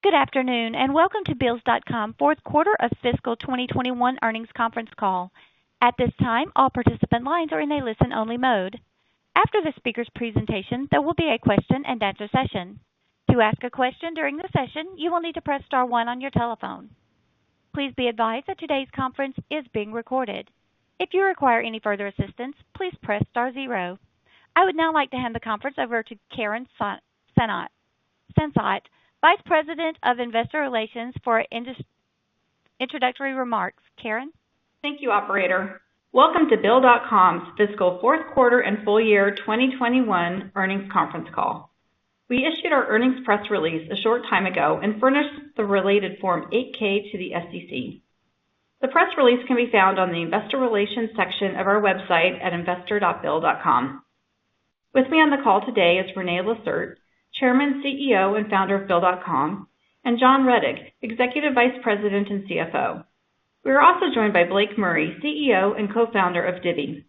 Good afternoon, and welcome to Bill.com Fourth quarter of fiscal 2021 earnings conference call. I would now like to hand the conference over to Karen Sansot, Vice President of Investor Relations for introductory remarks. Karen? Thank you, operator. Welcome to Bill.com's fiscal fourth quarter and full year 2021 earnings conference call. We issued our earnings press release a short time ago and furnished the related Form 8-K to the SEC. The press release can be found on the investor relations section of our website at investor.bill.com. With me on the call today is René Lacerte, Chairman, CEO, and Founder of Bill.com, and John Rettig, Executive Vice President and CFO. We are also joined by Blake Murray, CEO, and co-founder of Divvy.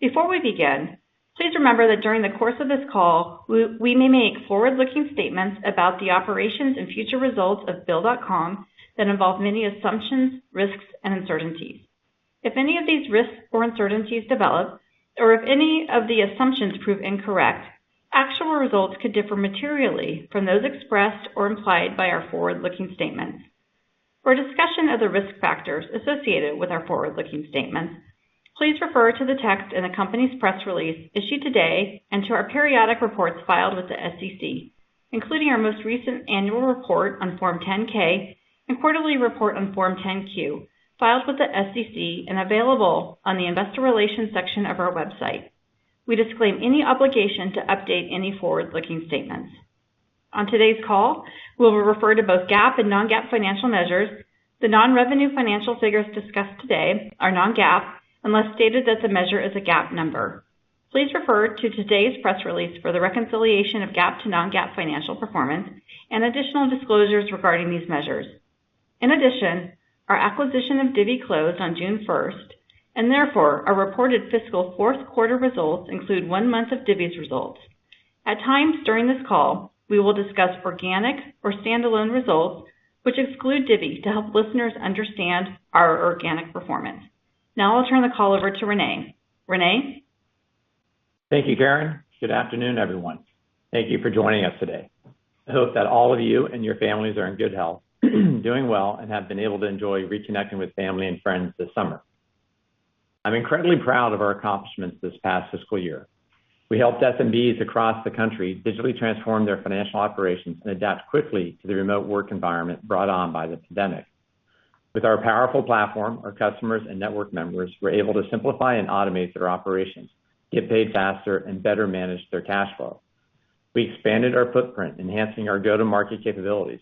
Before we begin, please remember that during the course of this call, we may make forward-looking statements about the operations and future results of Bill.com that involve many assumptions, risks, and uncertainties. If any of these risks or uncertainties develop or if any of the assumptions prove incorrect, actual results could differ materially from those expressed or implied by our forward-looking statements. For a discussion of the risk factors associated with our forward-looking statements, please refer to the text in the company's press release issued today and to our periodic reports filed with the SEC, including our most recent annual report on Form 10-K and quarterly report on Form 10-Q, filed with the SEC and available on the investor relations section of our website. We disclaim any obligation to update any forward-looking statements. On today's call, we will refer to both GAAP and non-GAAP financial measures. The non-revenue financial figures discussed today are non-GAAP, unless stated that the measure is a GAAP number. Please refer to today's press release for the reconciliation of GAAP to non-GAAP financial performance and additional disclosures regarding these measures. In addition, our acquisition of Divvy closed on June 1st, and therefore, our reported fiscal fourth quarter results include 1 month of Divvy's results. At times during this call, we will discuss organic or standalone results, which exclude Divvy, to help listeners understand our organic performance. Now I'll turn the call over to René. René? Thank you, Karen. Good afternoon, everyone. Thank you for joining us today. I hope that all of you and your families are in good health, doing well, and have been able to enjoy reconnecting with family and friends this summer. I'm incredibly proud of our accomplishments this past fiscal year. We helped SMBs across the country digitally transform their financial operations and adapt quickly to the remote work environment brought on by the pandemic. With our powerful platform, our customers and network members were able to simplify and automate their operations, get paid faster, and better manage their cash flow. We expanded our footprint, enhancing our go-to-market capabilities.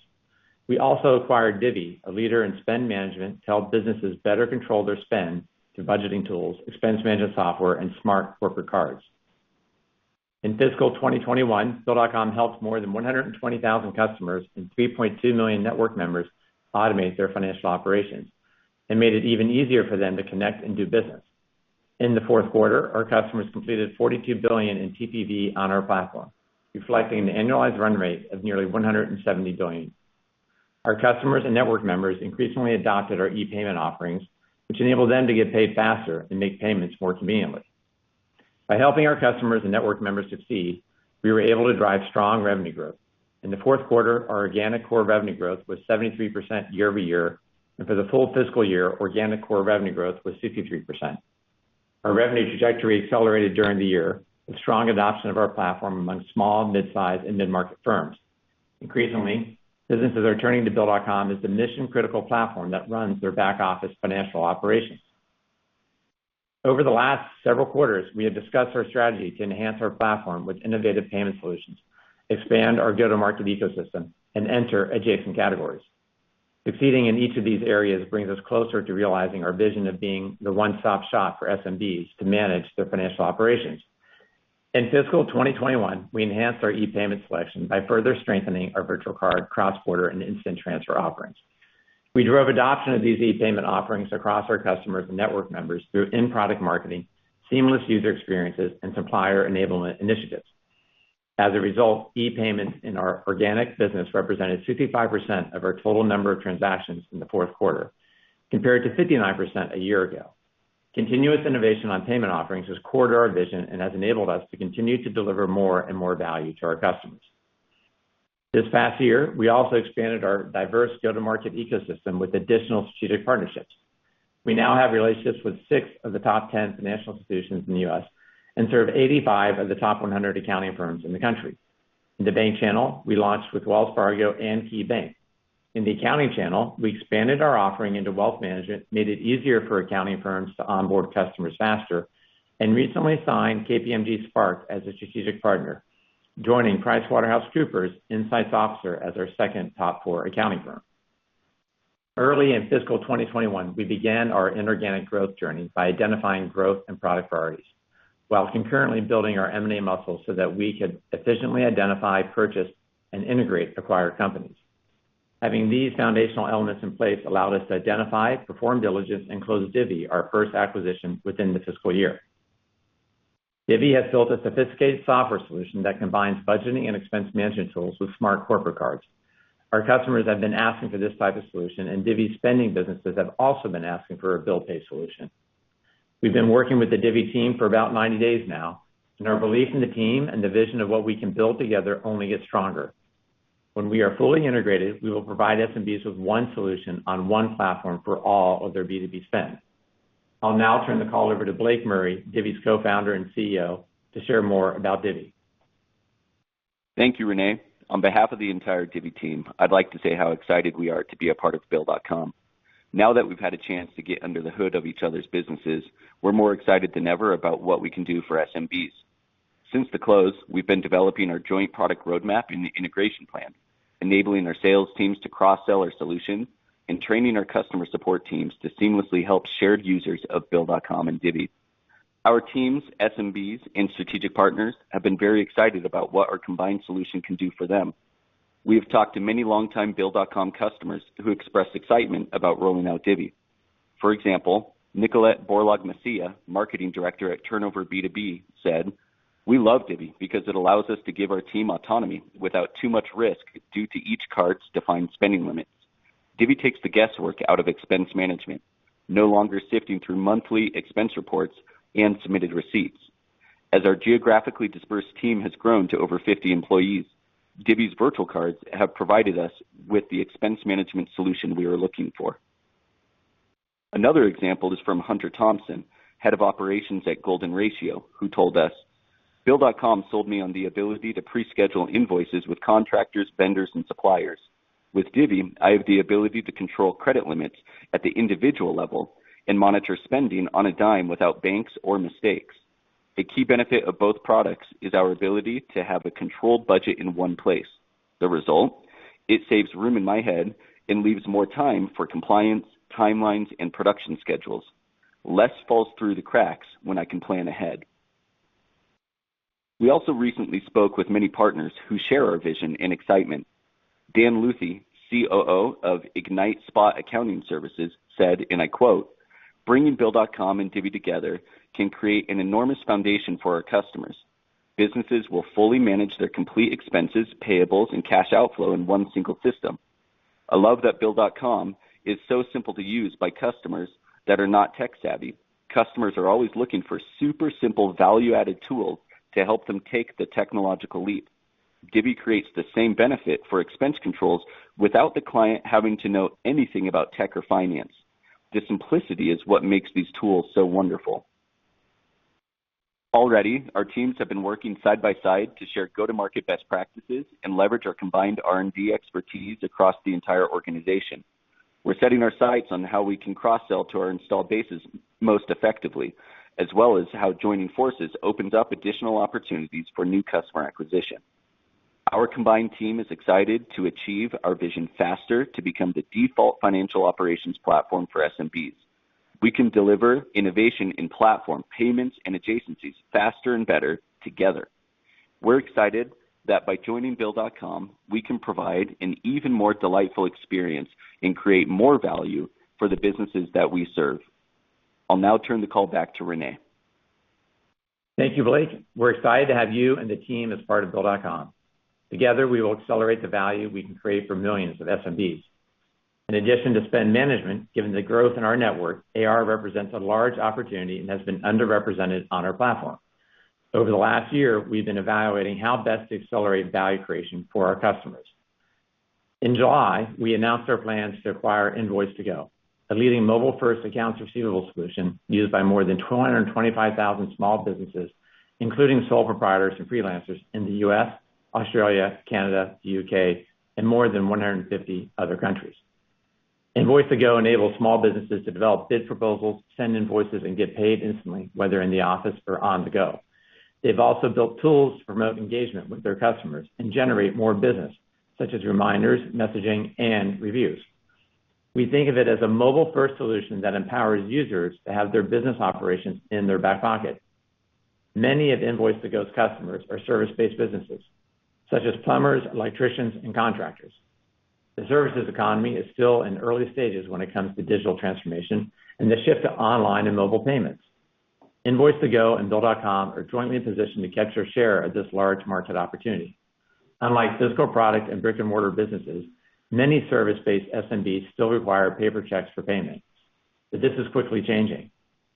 We also acquired Divvy, a leader in spend management, to help businesses better control their spend through budgeting tools, expense management software, and smart corporate cards. In fiscal 2021, Bill.com helped more than 120,000 customers and 3.2 million network members automate their financial operations and made it even easier for them to connect and do business. In the fourth quarter, our customers completed $42 billion in TPV on our platform, reflecting an annualized run rate of nearly $170 billion. Our customers and network members increasingly adopted our e-payment offerings, which enable them to get paid faster and make payments more conveniently. By helping our customers and network members succeed, we were able to drive strong revenue growth. In the fourth quarter, our organic core revenue growth was 73% year-over-year, and for the full fiscal year, organic core revenue growth was 63%. Our revenue trajectory accelerated during the year with strong adoption of our platform among small, midsize, and mid-market firms. Increasingly, businesses are turning to Bill.com as the mission-critical platform that runs their back office financial operations. Over the last several quarters, we have discussed our strategy to enhance our platform with innovative payment solutions, expand our go-to-market ecosystem, and enter adjacent categories. Succeeding in each of these areas brings us closer to realizing our vision of being the one-stop shop for SMBs to manage their financial operations. In fiscal 2021, we enhanced our e-payment selection by further strengthening our virtual card, cross-border, and instant transfer offerings. We drove adoption of these e-payment offerings across our customers and network members through in-product marketing, seamless user experiences, and supplier enablement initiatives. As a result, e-payments in our organic business represented 65% of our total number of transactions in the fourth quarter, compared to 59% a year ago. Continuous innovation on payment offerings is core to our vision and has enabled us to continue to deliver more and more value to our customers. This past year, we also expanded our diverse go-to-market ecosystem with additional strategic partnerships. We now have relationships with six of the top 10 financial institutions in the U.S. and serve 85 of the top 100 accounting firms in the country. In the bank channel, we launched with Wells Fargo and KeyBank. In the accounting channel, we expanded our offering into wealth management, made it easier for accounting firms to onboard customers faster, and recently signed KPMG Spark as a strategic partner, joining PricewaterhouseCoopers InsightsOfficer as our second top four accounting firm. Early in fiscal 2021, we began our inorganic growth journey by identifying growth and product priorities while concurrently building our M&A muscles so that we could efficiently identify, purchase, and integrate acquired companies. Having these foundational elements in place allowed us to identify, perform diligence, and close Divvy, our first acquisition, within the fiscal year. Divvy has built a sophisticated software solution that combines budgeting and expense management tools with smart corporate cards. Our customers have been asking for this type of solution, and Divvy spending businesses have also been asking for a bill pay solution. We've been working with the Divvy team for about 90 days now, and our belief in the team and the vision of what we can build together only gets stronger. When we are fully integrated, we will provide SMBs with one solution on one platform for all of their B2B spend. I'll now turn the call over to Blake Murray, Divvy's Co-founder and CEO, to share more about Divvy. Thank you, René. On behalf of the entire Divvy team, I'd like to say how excited we are to be a part of Bill.com. Now that we've had a chance to get under the hood of each other's businesses, we're more excited than ever about what we can do for SMBs. Since the close, we've been developing our joint product roadmap and the integration plan, enabling our sales teams to cross-sell our solution, and training our customer support teams to seamlessly help shared users of Bill.com and Divvy. Our teams, SMBs, and strategic partners have been very excited about what our combined solution can do for them. We have talked to many longtime Bill.com customers who expressed excitement about rolling out Divvy. For example, Nicolette Borlaug Masiya, marketing director at TurnoverBnB, said, "We love Divvy because it allows us to give our team autonomy without too much risk due to each card's defined spending limits. Divvy takes the guesswork out of expense management, no longer sifting through monthly expense reports and submitted receipts. As our geographically dispersed team has grown to over 50 employees, Divvy's virtual cards have provided us with the expense management solution we are looking for." Another example is from Hunter Thompson, head of operations at Golden Ratio, who told us, "Bill.com sold me on the ability to pre-schedule invoices with contractors, vendors, and suppliers. With Divvy, I have the ability to control credit limits at the individual level and monitor spending on a dime without banks or mistakes. A key benefit of both products is our ability to have a controlled budget in one place. The result, it saves room in my head and leaves more time for compliance, timelines, and production schedules. Less falls through the cracks when I can plan ahead. We also recently spoke with many partners who share our vision and excitement. Dan Luthi, COO of Ignite Spot Accounting Services, said, and I quote, "Bringing Bill.com and Divvy together can create an enormous foundation for our customers. Businesses will fully manage their complete expenses, payables, and cash outflow in one single system. I love that Bill.com is so simple to use by customers that are not tech-savvy. Customers are always looking for super simple value-added tools to help them take the technological leap. Divvy creates the same benefit for expense controls without the client having to know anything about tech or finance. The simplicity is what makes these tools so wonderful. Already, our teams have been working side by side to share go-to-market best practices and leverage our combined R&D expertise across the entire organization. We're setting our sights on how we can cross-sell to our installed bases most effectively, as well as how joining forces opens up additional opportunities for new customer acquisition. Our combined team is excited to achieve our vision faster to become the default financial operations platform for SMBs. We can deliver innovation in platform payments and adjacencies faster and better together. We're excited that by joining Bill.com, we can provide an even more delightful experience and create more value for the businesses that we serve. I'll now turn the call back to René. Thank you, Blake. We're excited to have you and the team as part of Bill.com. Together, we will accelerate the value we can create for millions of SMBs. In addition to spend management, given the growth in our network, AR represents a large opportunity and has been underrepresented on our platform. Over the last year, we've been evaluating how best to accelerate value creation for our customers. In July, we announced our plans to acquire Invoice2go, a leading mobile-first accounts receivable solution used by more than 225,000 small businesses, including sole proprietors and freelancers in the U.S., Australia, Canada, the U.K., and more than 150 other countries. Invoice2go enables small businesses to develop bid proposals, send invoices, and get paid instantly, whether in the office or on the go. They've also built tools to promote engagement with their customers and generate more business, such as reminders, messaging, and reviews. We think of it as a mobile-first solution that empowers users to have their business operations in their back pocket. Many of Invoice2go's customers are service-based businesses, such as plumbers, electricians, and contractors. The services economy is still in early stages when it comes to digital transformation and the shift to online and mobile payments. Invoice2go and Bill.com are jointly positioned to capture a share of this large market opportunity. Unlike physical product and brick-and-mortar businesses, many service-based SMBs still require paper checks for payment. This is quickly changing.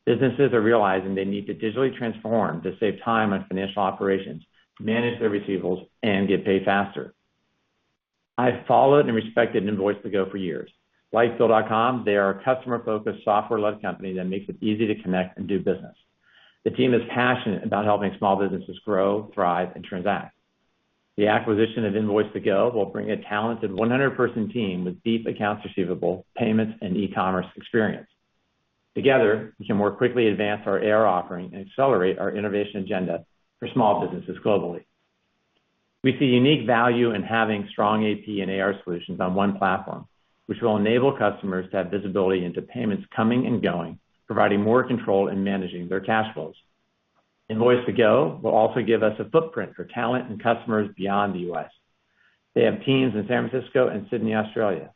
Businesses are realizing they need to digitally transform to save time on financial operations, manage their receivables, and get paid faster. I followed and respected Invoice2go for years. Like Bill.com, they are a customer-focused, software-led company that makes it easy to connect and do business. The team is passionate about helping small businesses grow, thrive, and transact. The acquisition of Invoice2go will bring a talented 100-person team with deep accounts receivable, payments, and e-commerce experience. Together, we can more quickly advance our AR offering and accelerate our innovation agenda for small businesses globally. We see unique value in having strong AP and AR solutions on one platform, which will enable customers to have visibility into payments coming and going, providing more control in managing their cash flows. Invoice2go will also give us a footprint for talent and customers beyond the U.S. They have teams in San Francisco and Sydney, Australia.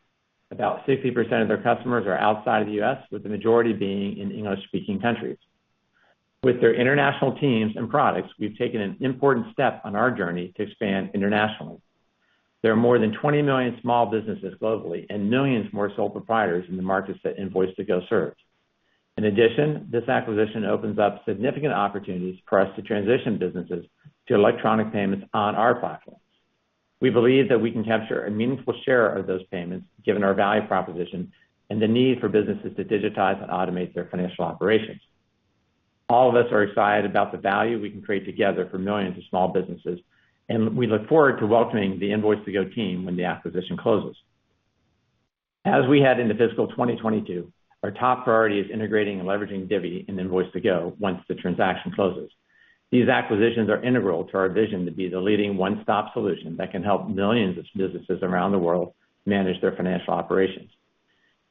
About 60% of their customers are outside of the U.S., with the majority being in English-speaking countries. With their international teams and products, we've taken an important step on our journey to expand internationally. There are more than 20 million small businesses globally and millions more sole proprietors in the markets that Invoice2go serves. In addition, this acquisition opens up significant opportunities for us to transition businesses to electronic payments on our platform. We believe that we can capture a meaningful share of those payments, given our value proposition and the need for businesses to digitize and automate their financial operations. All of us are excited about the value we can create together for millions of small businesses, and we look forward to welcoming the Invoice2go team when the acquisition closes. As we head into fiscal 2022, our top priority is integrating and leveraging Divvy and Invoice2go once the transaction closes. These acquisitions are integral to our vision to be the leading one-stop solution that can help millions of businesses around the world manage their financial operations.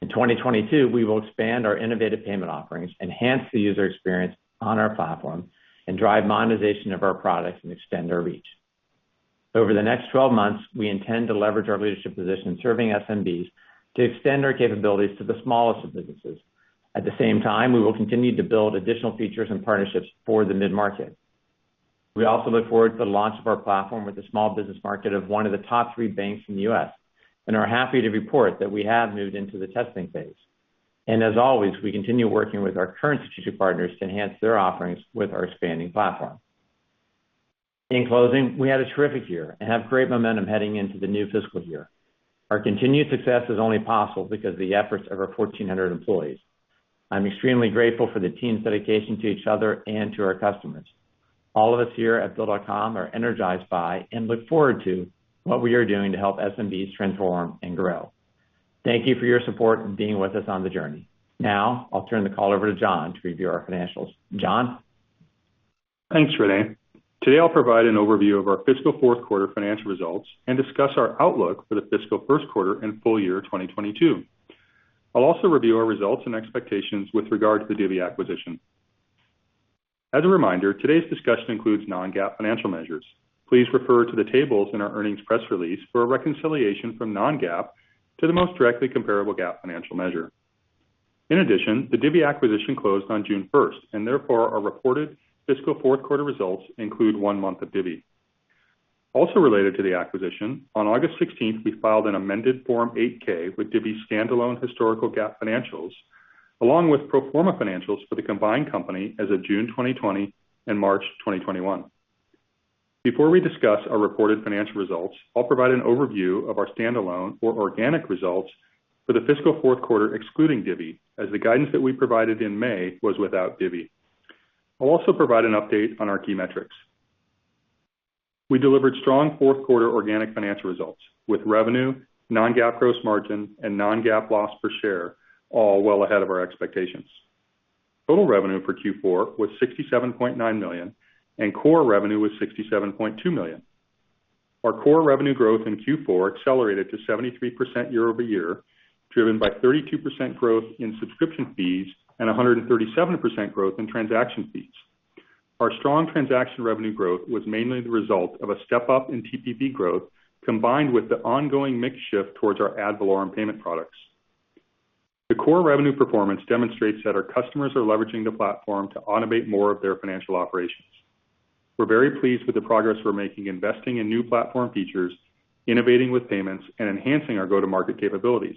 In 2022, we will expand our innovative payment offerings, enhance the user experience on our platform, and drive monetization of our products and extend our reach. Over the next 12 months, we intend to leverage our leadership position in serving SMBs to extend our capabilities to the smallest of businesses. At the same time, we will continue to build additional features and partnerships for the mid-market. We also look forward to the launch of our platform with the small business market of one of the top three banks in the U.S. and are happy to report that we have moved into the testing phase. As always, we continue working with our current strategic partners to enhance their offerings with our expanding platform. In closing, we had a terrific year and have great momentum heading into the new fiscal year. Our continued success is only possible because of the efforts of our 1,400 employees. I'm extremely grateful for the team's dedication to each other and to our customers. All of us here at Bill.com are energized by and look forward to what we are doing to help SMBs transform and grow. Thank you for your support and being with us on the journey. I'll turn the call over to John to review our financials. John? Thanks, René. Today, I'll provide an overview of our fiscal fourth quarter financial results and discuss our outlook for the fiscal first quarter and full year 2022. I'll also review our results and expectations with regard to the Divvy acquisition. As a reminder, today's discussion includes non-GAAP financial measures. Please refer to the tables in our earnings press release for a reconciliation from non-GAAP to the most directly comparable GAAP financial measure. In addition, the Divvy acquisition closed on June 1st, and therefore, our reported fiscal fourth quarter results include one month of Divvy. Also related to the acquisition, on August 16th, we filed an amended Form 8-K with Divvy's standalone historical GAAP financials, along with pro forma financials for the combined company as of June 2020 and March 2021. Before we discuss our reported financial results, I'll provide an overview of our standalone or organic results for the fiscal fourth quarter excluding Divvy, as the guidance that we provided in May was without Divvy. I'll also provide an update on our key metrics. We delivered strong fourth quarter organic financial results with revenue, non-GAAP gross margin, and non-GAAP loss per share all well ahead of our expectations. Total revenue for Q4 was $67.9 million, and core revenue was $67.2 million. Our core revenue growth in Q4 accelerated to 73% year-over-year, driven by 32% growth in subscription fees and 137% growth in transaction fees. Our strong transaction revenue growth was mainly the result of a step-up in TPV growth, combined with the ongoing mix shift towards our ad valorem payment products. The core revenue performance demonstrates that our customers are leveraging the platform to automate more of their financial operations. We're very pleased with the progress we're making investing in new platform features, innovating with payments, and enhancing our go-to-market capabilities.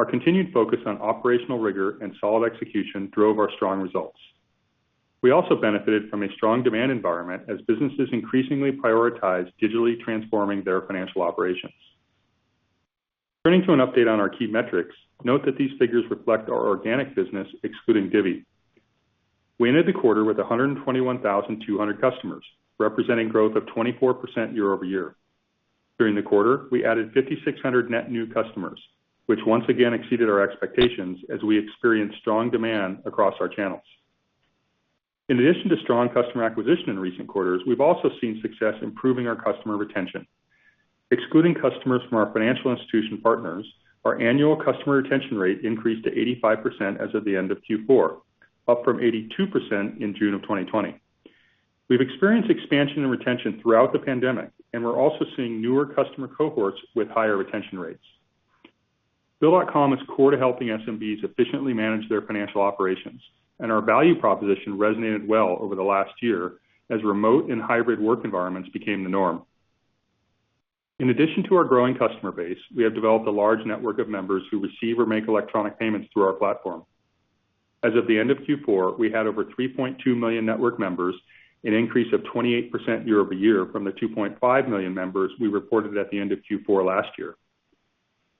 Our continued focus on operational rigor and solid execution drove our strong results. We also benefited from a strong demand environment as businesses increasingly prioritize digitally transforming their financial operations. Turning to an update on our key metrics, note that these figures reflect our organic business excluding Divvy. We ended the quarter with 121,200 customers, representing growth of 24% year-over-year. During the quarter, we added 5,600 net new customers, which once again exceeded our expectations as we experienced strong demand across our channels. In addition to strong customer acquisition in recent quarters, we've also seen success improving our customer retention. Excluding customers from our financial institution partners, our annual customer retention rate increased to 85% as of the end of Q4, up from 82% in June of 2020. We've experienced expansion and retention throughout the pandemic, and we're also seeing newer customer cohorts with higher retention rates. Bill.com is core to helping SMBs efficiently manage their financial operations, and our value proposition resonated well over the last year as remote and hybrid work environments became the norm. In addition to our growing customer base, we have developed a large network of members who receive or make electronic payments through our platform. As of the end of Q4, we had over 3.2 million network members, an increase of 28% year-over-year from the 2.5 million members we reported at the end of Q4 last year.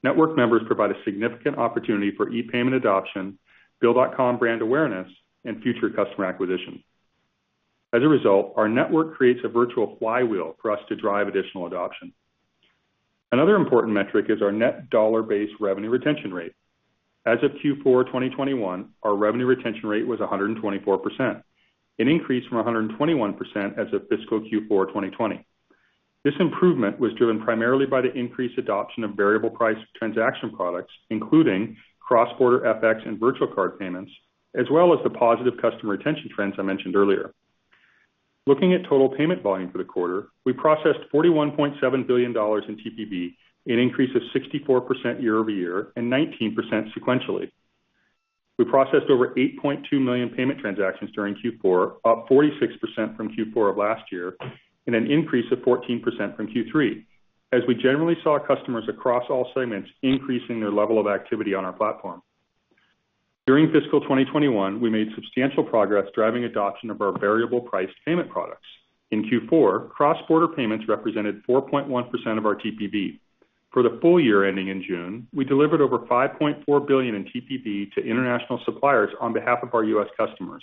Network members provide a significant opportunity for e-payment adoption, Bill.com brand awareness, and future customer acquisition. Our network creates a virtual flywheel for us to drive additional adoption. Another important metric is our net dollar-based revenue retention rate. As of Q4 2021, our revenue retention rate was 124%, an increase from 121% as of fiscal Q4 2020. This improvement was driven primarily by the increased adoption of variable price transaction products, including cross-border FX and virtual card payments, as well as the positive customer retention trends I mentioned earlier. Looking at total payment volume for the quarter, we processed $41.7 billion in TPV, an increase of 64% year-over-year and 19% sequentially. We processed over 8.2 million payment transactions during Q4, up 46% from Q4 of last year, and an increase of 14% from Q3, as we generally saw customers across all segments increasing their level of activity on our platform. During fiscal 2021, we made substantial progress driving adoption of our variable priced payment products. In Q4, cross-border payments represented 4.1% of our TPV. For the full year ending in June, we delivered over $5.4 billion in TPV to international suppliers on behalf of our U.S. customers,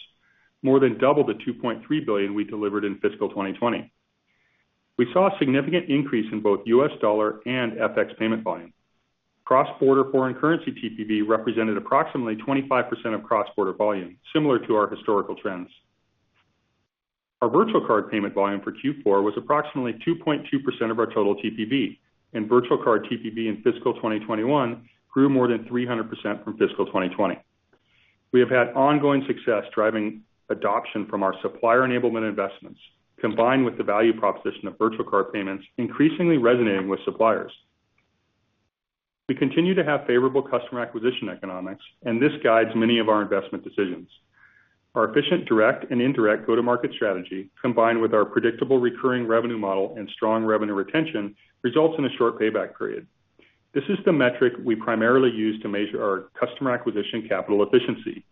more than double the $2.3 billion we delivered in fiscal 2020. We saw a significant increase in both U.S. dollar and FX payment volume. Cross-border foreign currency TPV represented approximately 25% of cross-border volume, similar to our historical trends. Our virtual card payment volume for Q4 was approximately 2.2% of our total TPV, and virtual card TPV in fiscal 2021 grew more than 300% from fiscal 2020. We have had ongoing success driving adoption from our supplier enablement investments, combined with the value proposition of virtual card payments increasingly resonating with suppliers. We continue to have favorable customer acquisition economics. This guides many of our investment decisions. Our efficient direct and indirect go-to-market strategy, combined with our predictable recurring revenue model and strong revenue retention, results in a short payback period. This is the metric we primarily use to measure our customer acquisition capital efficiency.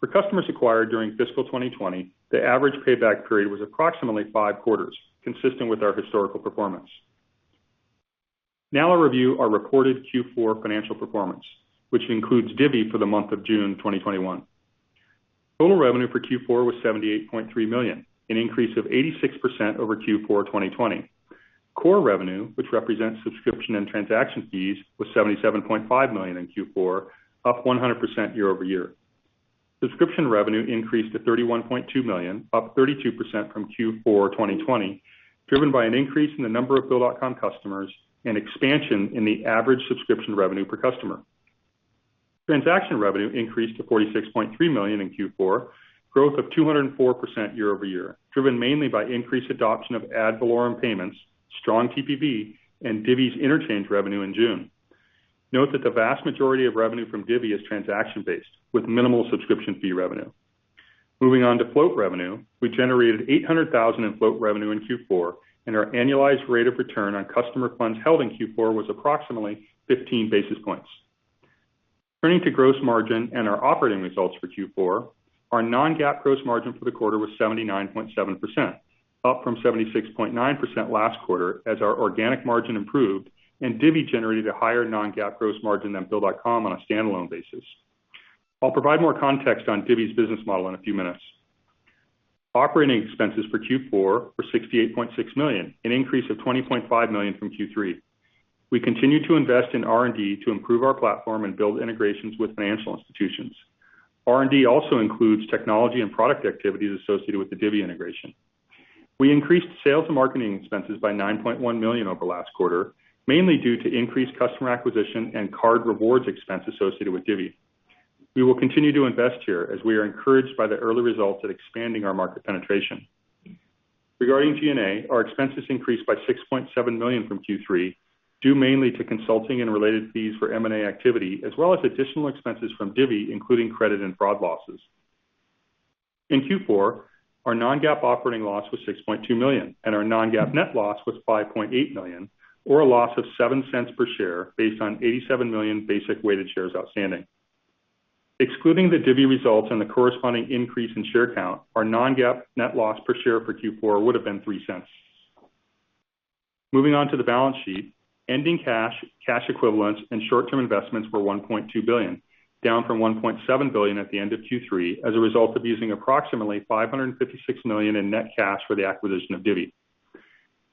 For customers acquired during fiscal 2020, the average payback period was approximately five quarters, consistent with our historical performance. Now I'll review our reported Q4 financial performance, which includes Divvy for the month of June 2021. Total revenue for Q4 was $78.3 million, an increase of 86% over Q4 2020. Core revenue, which represents subscription and transaction fees, was $77.5 million in Q4, up 100% year-over-year. Subscription revenue increased to $31.2 million, up 32% from Q4 2020, driven by an increase in the number of BILL customers and expansion in the average subscription revenue per customer. Transaction revenue increased to $46.3 million in Q4, growth of 204% year-over-year, driven mainly by increased adoption of Ad valorem payments, strong TPV, and Divvy's interchange revenue in June. Note that the vast majority of revenue from Divvy is transaction-based with minimal subscription fee revenue. Moving on to float revenue, we generated $800,000 in float revenue in Q4, and our annualized rate of return on customer funds held in Q4 was approximately 15 basis points. Turning to gross margin and our operating results for Q4, our non-GAAP gross margin for the quarter was 79.7%, up from 76.9% last quarter as our organic margin improved and Divvy generated a higher non-GAAP gross margin than Bill.com on a standalone basis. I'll provide more context on Divvy's business model in a few minutes. Operating expenses for Q4 were $68.6 million, an increase of $20.5 million from Q3. We continue to invest in R&D to improve our platform and build integrations with financial institutions. R&D also includes technology and product activities associated with the Divvy integration. We increased sales and marketing expenses by $9.1 million over last quarter, mainly due to increased customer acquisition and card rewards expense associated with Divvy. We will continue to invest here as we are encouraged by the early results at expanding our market penetration. Regarding G&A, our expenses increased by $6.7 million from Q3, due mainly to consulting and related fees for M&A activity as well as additional expenses from Divvy, including credit and fraud losses. In Q4, our non-GAAP operating loss was $6.2 million, and our non-GAAP net loss was $5.8 million, or a loss of $0.07 per share based on 87 million basic weighted shares outstanding. Excluding the Divvy results and the corresponding increase in share count, our non-GAAP net loss per share for Q4 would have been $0.03. Moving on to the balance sheet, ending cash equivalents, and short-term investments were $1.2 billion, down from $1.7 billion at the end of Q3 as a result of using approximately $556 million in net cash for the acquisition of Divvy.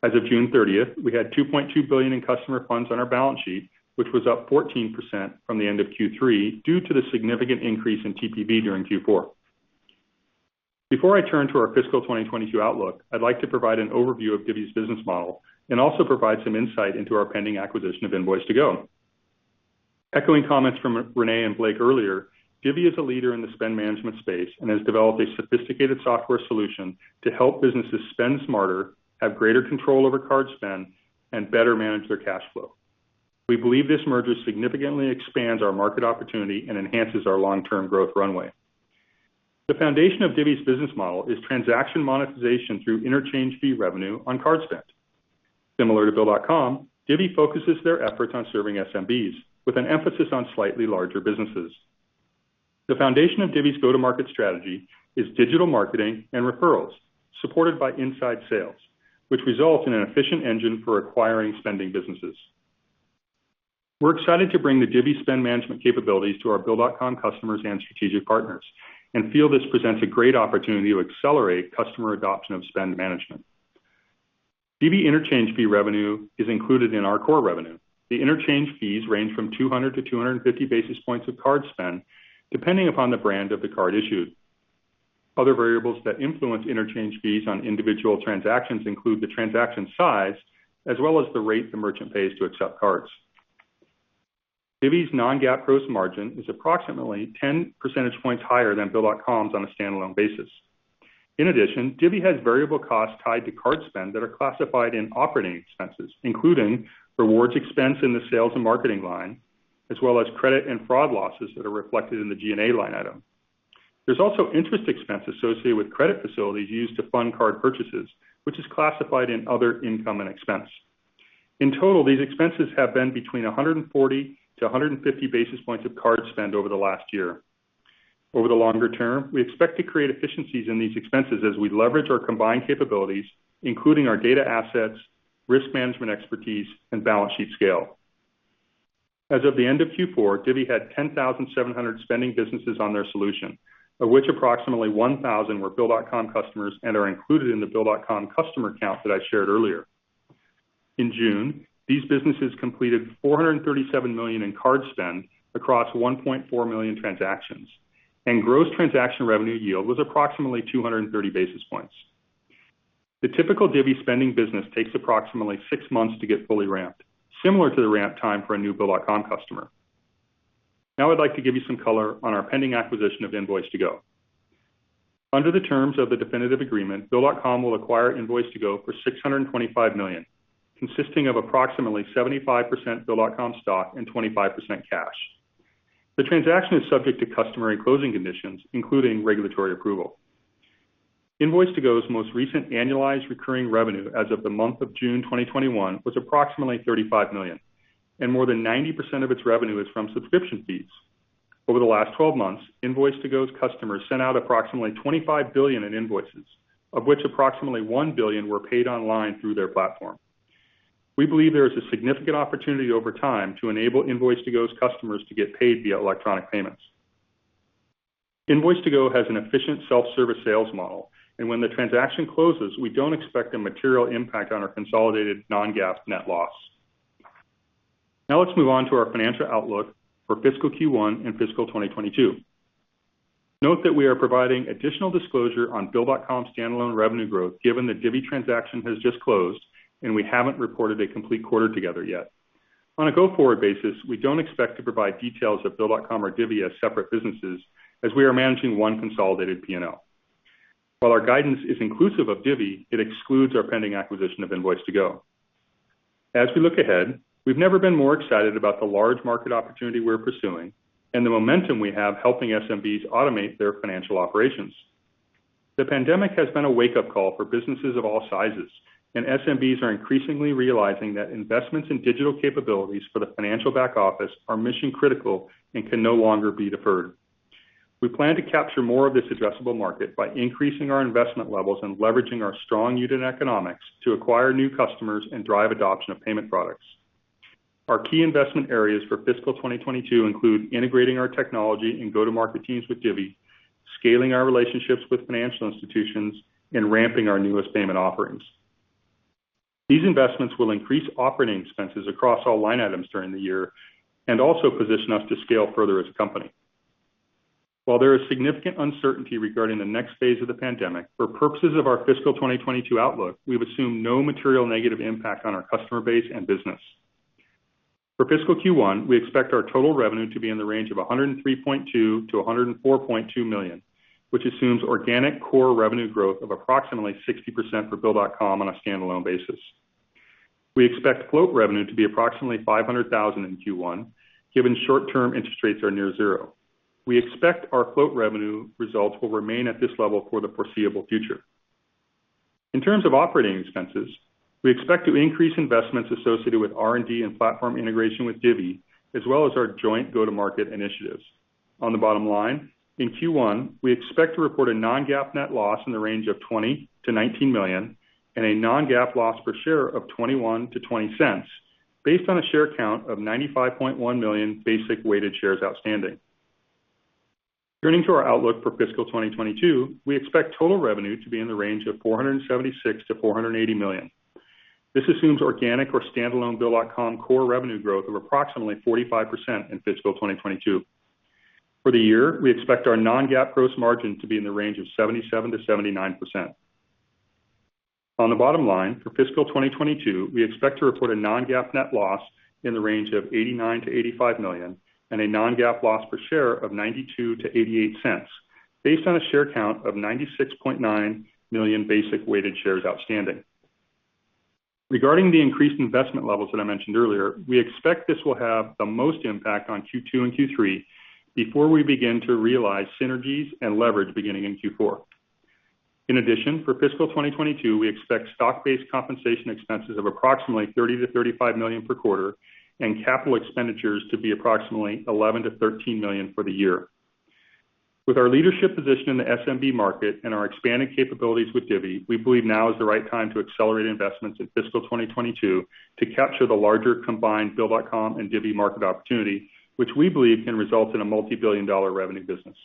As of June 30th, we had $2.2 billion in customer funds on our balance sheet, which was up 14% from the end of Q3 due to the significant increase in TPV during Q4. Before I turn to our fiscal 2022 outlook, I'd like to provide an overview of Divvy's business model and also provide some insight into our pending acquisition of Invoice2go. Echoing comments from René and Blake earlier, Divvy is a leader in the spend management space and has developed a sophisticated software solution to help businesses spend smarter, have greater control over card spend, and better manage their cash flow. We believe this merger significantly expands our market opportunity and enhances our long-term growth runway. The foundation of Divvy's business model is transaction monetization through interchange fee revenue on card spend. Similar to Bill.com, Divvy focuses their efforts on serving SMBs with an emphasis on slightly larger businesses. The foundation of Divvy's go-to-market strategy is digital marketing and referrals supported by inside sales, which results in an efficient engine for acquiring spending businesses. We're excited to bring the Divvy spend management capabilities to our Bill.com customers and strategic partners and feel this presents a great opportunity to accelerate customer adoption of spend management. Divvy interchange fee revenue is included in our core revenue. The interchange fees range from 200-250 basis points of card spend depending upon the brand of the card issued. Other variables that influence interchange fees on individual transactions include the transaction size as well as the rate the merchant pays to accept cards. Divvy's non-GAAP gross margin is approximately 10 percentage points higher than Bill.com's on a standalone basis. In addition, Divvy has variable costs tied to card spend that are classified in operating expenses, including rewards expense in the sales and marketing line, as well as credit and fraud losses that are reflected in the G&A line item. There's also interest expense associated with credit facilities used to fund card purchases, which is classified in other income and expense. In total, these expenses have been between 140 to 150 basis points of card spend over the last year. Over the longer term, we expect to create efficiencies in these expenses as we leverage our combined capabilities, including our data assets, risk management expertise, and balance sheet scale. As of the end of Q4, Divvy had 10,700 spending businesses on their solution, of which approximately 1,000 were Bill.com customers and are included in the Bill.com customer count that I shared earlier. In June, these businesses completed $437 million in card spend across 1.4 million transactions. Gross transaction revenue yield was approximately 230 basis points. The typical Divvy spending business takes approximately 6 months to get fully ramped, similar to the ramp time for a new Bill.com customer. Now I'd like to give you some color on our pending acquisition of Invoice2go. Under the terms of the definitive agreement, Bill.com will acquire Invoice2go for $625 million, consisting of approximately 75% Bill.com stock and 25% cash. The transaction is subject to customary closing conditions, including regulatory approval. Invoice2go's most recent annualized recurring revenue as of the month of June 2021 was approximately $35 million. More than 90% of its revenue is from subscription fees. Over the last 12 months, Invoice2go's customers sent out approximately $25 billion in invoices, of which approximately $1 billion were paid online through their platform. We believe there is a significant opportunity over time to enable Invoice2go's customers to get paid via electronic payments. Invoice2go has an efficient self-service sales model, and when the transaction closes, we don't expect a material impact on our consolidated non-GAAP net loss. Let's move on to our financial outlook for fiscal Q1 and fiscal 2022. Note that we are providing additional disclosure on Bill.com standalone revenue growth given the Divvy transaction has just closed and we haven't reported a complete quarter together yet. On a go-forward basis, we don't expect to provide details of Bill.com or Divvy as separate businesses as we are managing one consolidated P&L. While our guidance is inclusive of Divvy, it excludes our pending acquisition of Invoice2go. We look ahead, we've never been more excited about the large market opportunity we're pursuing and the momentum we have helping SMBs automate their financial operations. The pandemic has been a wake-up call for businesses of all sizes, and SMBs are increasingly realizing that investments in digital capabilities for the financial back office are mission critical and can no longer be deferred. We plan to capture more of this addressable market by increasing our investment levels and leveraging our strong unit economics to acquire new customers and drive adoption of payment products. Our key investment areas for fiscal 2022 include integrating our technology and go-to-market teams with Divvy, scaling our relationships with financial institutions, and ramping our newest payment offerings. These investments will increase operating expenses across all line items during the year and also position us to scale further as a company. While there is significant uncertainty regarding the next phase of the pandemic, for purposes of our fiscal 2022 outlook, we've assumed no material negative impact on our customer base and business. For fiscal Q1, we expect our total revenue to be in the range of $103.2 million-$104.2 million, which assumes organic core revenue growth of approximately 60% for Bill.com on a standalone basis. We expect float revenue to be approximately $500,000 in Q1, given short-term interest rates are near zero. We expect our float revenue results will remain at this level for the foreseeable future. In terms of operating expenses, we expect to increase investments associated with R&D and platform integration with Divvy, as well as our joint go-to-market initiatives. On the bottom line, in Q1, we expect to report a non-GAAP net loss in the range of $20 million-$19 million and a non-GAAP loss per share of $0.21-$0.20 based on a share count of 95.1 million basic weighted shares outstanding. Turning to our outlook for fiscal 2022, we expect total revenue to be in the range of $476 million-$480 million. This assumes organic or standalone Bill.com core revenue growth of approximately 45% in fiscal 2022. For the year, we expect our non-GAAP gross margin to be in the range of 77%-79%. On the bottom line, for fiscal 2022, we expect to report a non-GAAP net loss in the range of $89 million-$85 million and a non-GAAP loss per share of $0.92-$0.88 based on a share count of 96.9 million basic weighted shares outstanding. Regarding the increased investment levels that I mentioned earlier, we expect this will have the most impact on Q2 and Q3 before we begin to realize synergies and leverage beginning in Q4. In addition, for fiscal 2022, we expect stock-based compensation expenses of approximately $30 million-$35 million per quarter and capital expenditures to be approximately $11 million-$13 million for the year. With our leadership position in the SMB market and our expanding capabilities with Divvy, we believe now is the right time to accelerate investments in fiscal 2022 to capture the larger combined Bill.com and Divvy market opportunity, which we believe can result in a multibillion-dollar revenue business.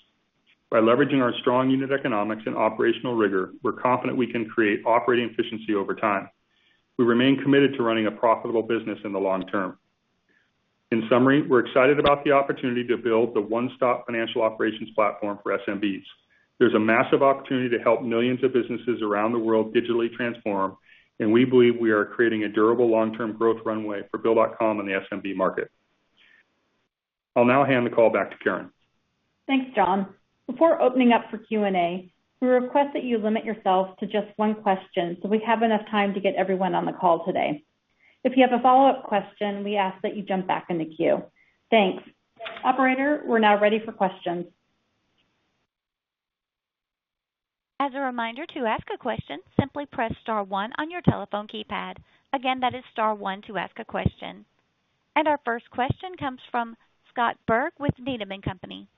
By leveraging our strong unit economics and operational rigor, we're confident we can create operating efficiency over time. We remain committed to running a profitable business in the long term. In summary, we're excited about the opportunity to build the one-stop financial operations platform for SMBs. There's a massive opportunity to help millions of businesses around the world digitally transform, and we believe we are creating a durable long-term growth runway for Bill.com and the SMB market. I'll now hand the call back to Karen. Thanks, John. Before opening up for Q&A, we request that you limit yourself to just one question so we have enough time to get everyone on the call today. If you have a follow-up question, we ask that you jump back in the queue. Thanks. Operator, we're now ready for questions. As a reminder, to ask a question, simply press star one on your telephone keypad. Again, that is star one to ask a question. Our first question comes from Scott Berg with Needham & Company.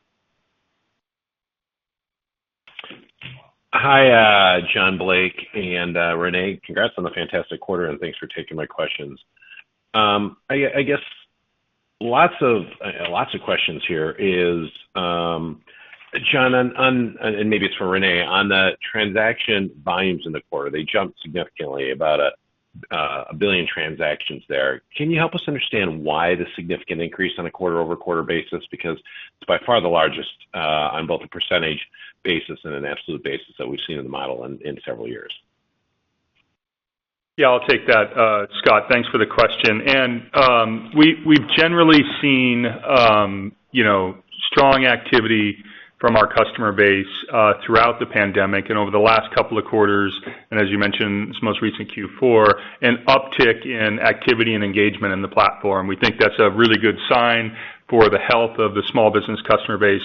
Hi, John, Blake and René. Congrats on the fantastic quarter. Thanks for taking my questions. I guess lots of questions here is, John. Maybe it's for René, on the transaction volumes in the quarter, they jumped significantly, about 1 billion transactions there. Can you help us understand why the significant increase on a quarter-over-quarter basis? It's by far the largest, on both a percentage basis and an absolute basis that we've seen in the model in several years. Yeah, I'll take that. Scott, thanks for the question. We've generally seen strong activity from our customer base throughout the pandemic and over the last couple of quarters, and as you mentioned, this most recent Q4, an uptick in activity and engagement in the platform. We think that's a really good sign for the health of the small business customer base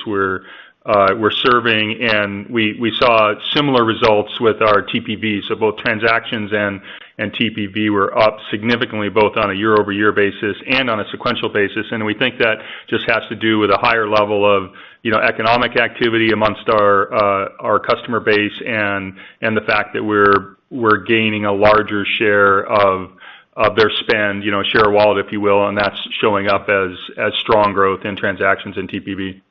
we're serving. We saw similar results with our TPV. Both transactions and TPV were up significantly, both on a year-over-year basis and on a sequential basis. We think that just has to do with a higher level of economic activity amongst our customer base and the fact that we're gaining a larger share of their spend, share of wallet, if you will, and that's showing up as strong growth in transactions in TPV.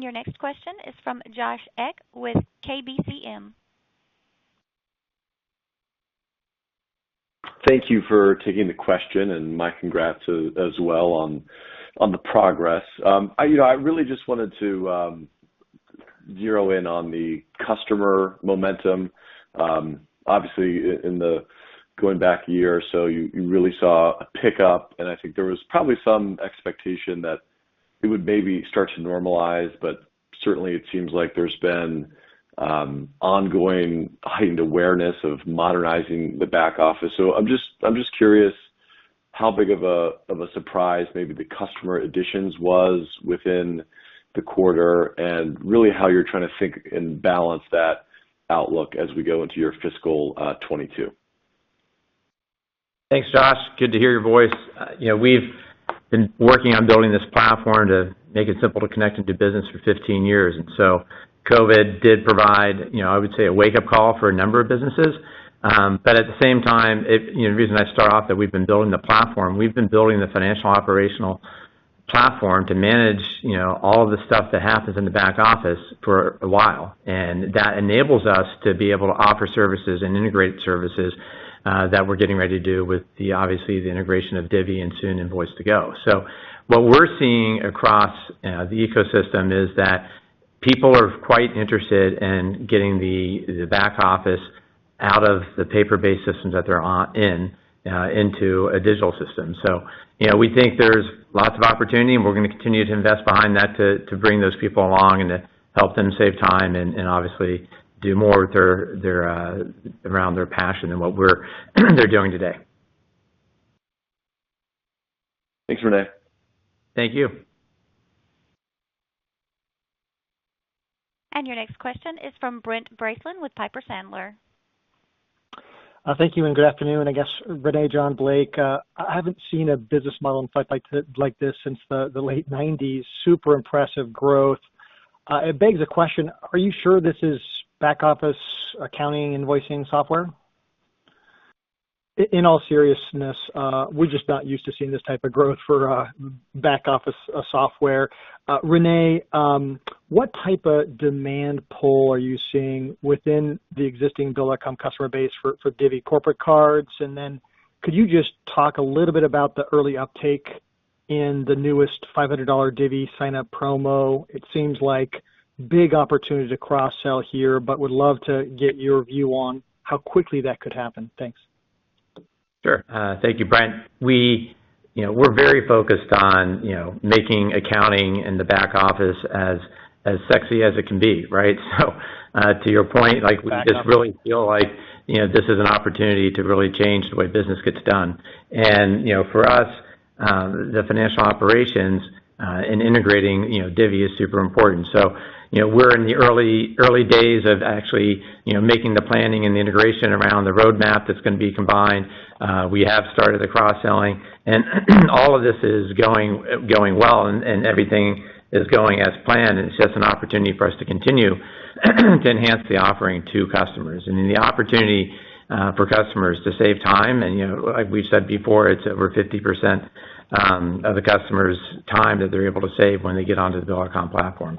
Your next question is from Josh Beck with KBCM. Thank you for taking the question. My congrats as well on the progress. I really just wanted to zero in on the customer momentum. Obviously, going back a year or so, you really saw a pickup, and I think there was probably some expectation that it would maybe start to normalize. Certainly, it seems like there's been ongoing heightened awareness of modernizing the back office. I'm just curious how big of a surprise maybe the customer additions was within the quarter, and really how you're trying to think and balance that outlook as we go into your fiscal 2022. Thanks, Josh. Good to hear your voice. We've been working on building this platform to make it simple to connect into business for 15 years. COVID did provide, I would say, a wake-up call for a number of businesses. At the same time, the reason I start off that we've been building the platform, we've been building the financial operational platform to manage all of the stuff that happens in the back office for a while. That enables us to be able to offer services and integrate services that we're getting ready to do with obviously the integration of Divvy and soon Invoice2go. What we're seeing across the ecosystem is that people are quite interested in getting the back office out of the paper-based systems that they're in, into a digital system. We think there's lots of opportunity, and we're going to continue to invest behind that to bring those people along and to help them save time and obviously do more around their passion than what they're doing today. Thanks, René. Thank you. Your next question is from Brent Bracelin with Piper Sandler. Thank you. Good afternoon, I guess, René, John, Blake. I haven't seen a business model in fact like this since the late 1990s. Super impressive growth. It begs the question, are you sure this is back office accounting invoicing software? In all seriousness, we're just not used to seeing this type of growth for back office software. René, what type of demand pull are you seeing within the existing Bill.com customer base for Divvy corporate cards? Could you just talk a little bit about the early uptake in the newest $500 Divvy sign-up promo? It seems like big opportunity to cross-sell here, but would love to get your view on how quickly that could happen. Thanks. Sure. Thank you, Brent. We're very focused on making accounting in the back office as sexy as it can be, right? To your point, we just really feel like this is an opportunity to really change the way business gets done. For us, the financial operations in integrating Divvy is super important. We're in the early days of actually making the planning and the integration around the roadmap that's going to be combined. We have started the cross-selling, all of this is going well, everything is going as planned, it's just an opportunity for us to continue to enhance the offering to customers. The opportunity for customers to save time, like we've said before, it's over 50% of the customer's time that they're able to save when they get onto the Bill.com platform.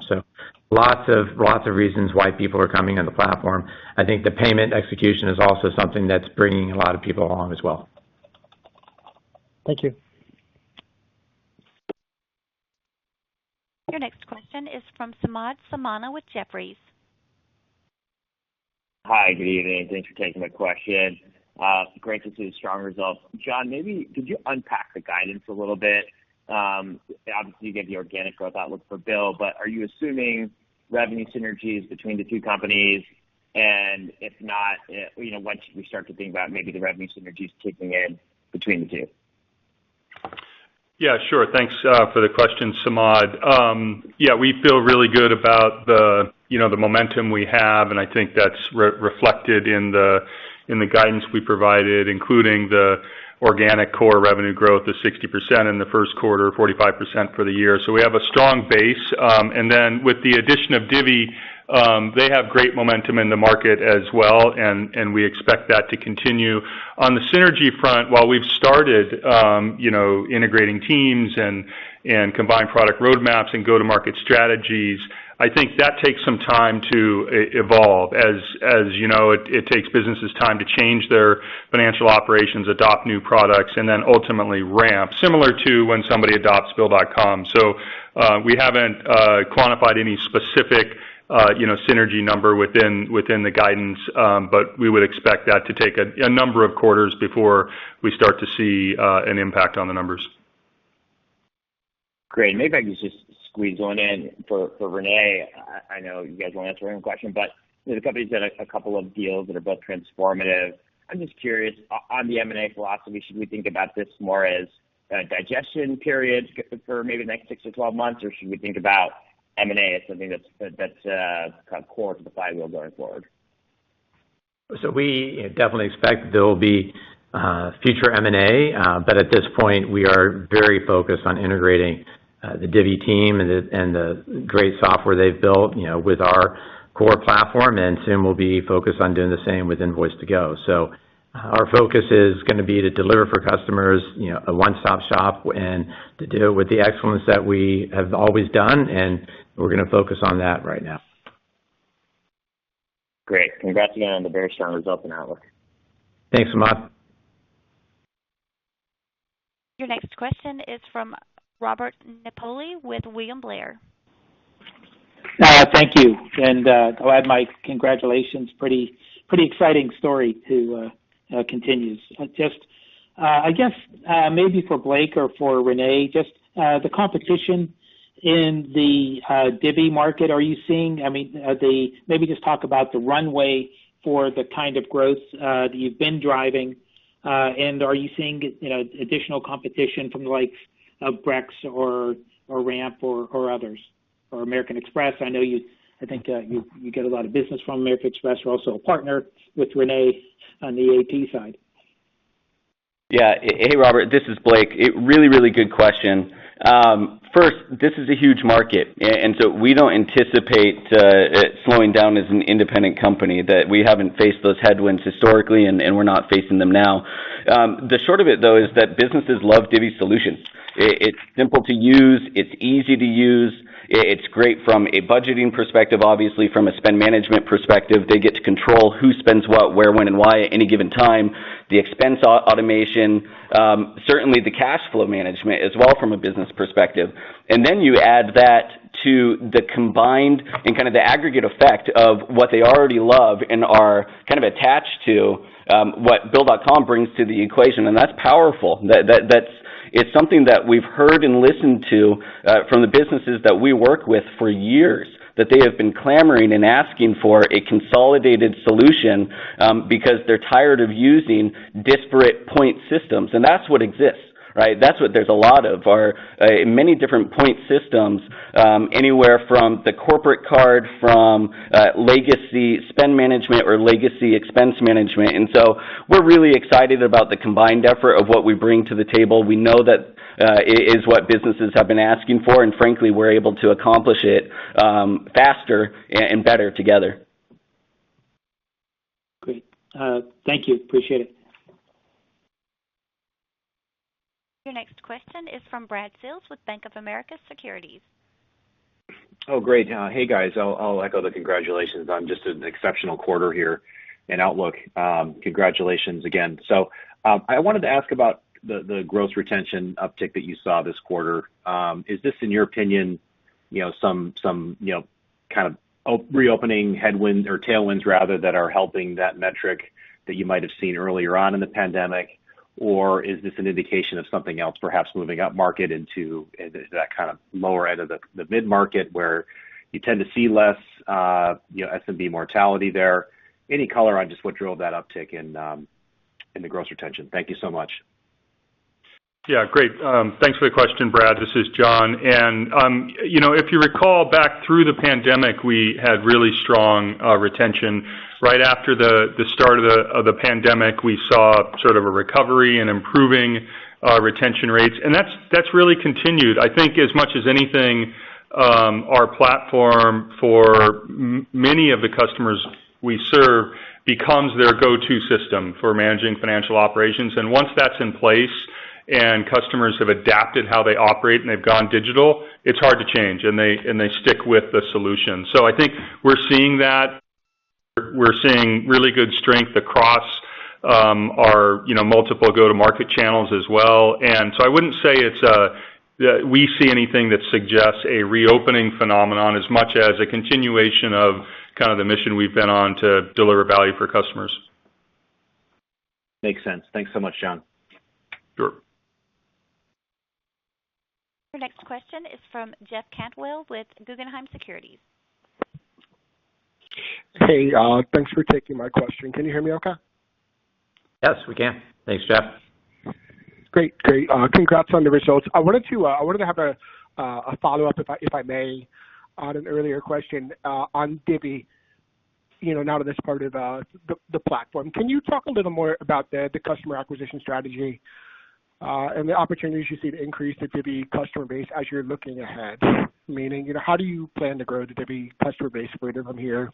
Lots of reasons why people are coming on the platform. I think the payment execution is also something that's bringing a lot of people along as well. Thank you. Your next question is from Samad Samana with Jefferies. Hi, good evening. Thanks for taking my question. Great to see the strong results. John, maybe could you unpack the guidance a little bit? Obviously, you gave the organic growth outlook for Bill.com, are you assuming revenue synergies between the two companies? If not, when should we start to think about maybe the revenue synergies kicking in between the two? Sure. Thanks for the question, Samad. We feel really good about the momentum we have, and I think that's reflected in the guidance we provided, including the organic core revenue growth of 60% in the first quarter, 45% for the year. We have a strong base. With the addition of Divvy, they have great momentum in the market as well, and we expect that to continue. On the synergy front, while we've started integrating teams and combined product roadmaps and go-to-market strategies, I think that takes some time to evolve. As you know, it takes businesses time to change their financial operations, adopt new products, and then ultimately ramp, similar to when somebody adopts Bill.com. We haven't quantified any specific synergy number within the guidance. We would expect that to take a number of quarters before we start to see an impact on the numbers. Great. Maybe I can just squeeze one in for René. I know you guys won't answer every question, the company's done a couple of deals that are both transformative. I'm just curious, on the M&A philosophy, should we think about this more as a digestion period for maybe the next 6 or 12 months, or should we think about M&A as something that's kind of core to the flywheel going forward? We definitely expect there will be future M&A. At this point, we are very focused on integrating the Divvy team and the great software they've built with our core platform. Soon we'll be focused on doing the same with Invoice2go. Our focus is going to be to deliver for customers a one-stop shop and to do it with the excellence that we have always done, and we're going to focus on that right now. Great. Congrats again on the very strong results and outlook. Thanks, Samad. Your next question is from Robert Napoli with William Blair. Thank you, and I'll add my congratulations. Pretty exciting story to continue. I guess, maybe for Blake or for René, just the competition in the Divvy market, are you seeing? Maybe just talk about the runway for the kind of growth that you've been driving. Are you seeing additional competition from the likes of Brex or Ramp or others, or American Express? I think you get a lot of business from American Express. We're also a partner with René on the AP side. Yeah. Hey, Robert. This is Blake. Really, really good question. First, this is a huge market. We don't anticipate it slowing down as an independent company, that we haven't faced those headwinds historically, and we're not facing them now. The short of it, though, is that businesses love Divvy solutions. It's simple to use. It's easy to use. It's great from a budgeting perspective, obviously from a spend management perspective. They get to control who spends what, where, when, and why at any given time. The expense automation, certainly the cash flow management as well from a business perspective. You add that to the combined and kind of the aggregate effect of what they already love and are kind of attached to what Bill.com brings to the equation, and that's powerful. It's something that we've heard and listened to from the businesses that we work with for years, that they have been clamoring and asking for a consolidated solution because they're tired of using disparate point systems. That's what exists, right? That's what there's a lot of, are many different point systems, anywhere from the corporate card, from legacy spend management or legacy expense management. We're really excited about the combined effort of what we bring to the table. We know that it is what businesses have been asking for, and frankly, we're able to accomplish it faster and better together. Great. Thank you. Appreciate it. Your next question is from Brad Sills with Bank of America Securities. Oh, great. Hey, guys. I'll echo the congratulations on just an exceptional quarter here and outlook. Congratulations again. I wanted to ask about the growth retention uptick that you saw this quarter. Is this, in your opinion, some kind of reopening headwind or tailwinds rather, that are helping that metric that you might have seen earlier on in the pandemic? Or is this an indication of something else, perhaps moving upmarket into that kind of lower end of the mid-market, where you tend to see less SMB mortality there? Any color on just what drove that uptick in the growth retention. Thank you so much. Yeah, great. Thanks for the question, Brad. This is John. If you recall back through the pandemic, we had really strong retention. Right after the start of the pandemic, we saw sort of a recovery and improving retention rates, and that's really continued. I think as much as anything, our platform for many of the customers we serve, becomes their go-to system for managing financial operations. Once that's in place and customers have adapted how they operate and they've gone digital, it's hard to change, and they stick with the solution. I think we're seeing that. We're seeing really good strength across our multiple go-to-market channels as well. I wouldn't say that we see anything that suggests a reopening phenomenon as much as a continuation of the mission we've been on to deliver value for customers. Makes sense. Thanks so much, John. Sure. Your next question is from Jeff Cantwell with Guggenheim Securities. Hey, thanks for taking my question. Can you hear me okay? Yes, we can. Thanks, Jeff. Great. Congrats on the results. I wanted to have a follow-up, if I may, on an earlier question on Divvy. Now that it's part of the platform, can you talk a little more about the customer acquisition strategy, and the opportunities you see to increase the Divvy customer base as you're looking ahead? Meaning, how do you plan to grow the Divvy customer base going from here,